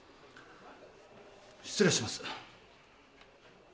失礼します。